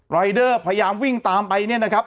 รายเดอร์พยายามวิ่งตามไปเนี่ยนะครับ